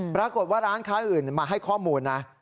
ปรากฏว่าร้านค้าอื่นมาให้ข้อมูลนะ